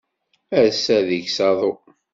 Ass-a deg-s aḍu.